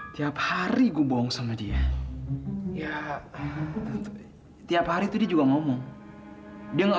tia hari kupung sama dia ya czas website setiap hari itu dia juga ngomong dia nggak